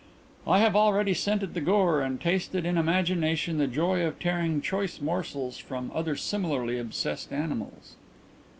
"I have already scented the gore, and tasted in imagination the joy of tearing choice morsels from other similarly obsessed animals."